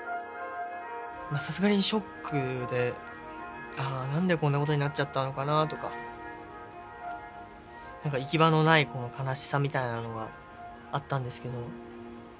さすがにショックでああ何でこんなことになっちゃったのかなとか何か行き場のないこの悲しさみたいなのがあったんですけど。